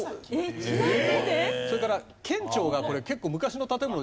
それから県庁がこれ結構昔の建物。